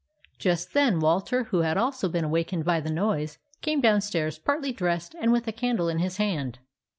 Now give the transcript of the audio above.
Just then Walter, who had also been awakened by the noise, came downstairs partly dressed and with a candle in his hand.